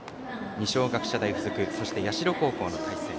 二松学舎大付属そして社高校の対戦。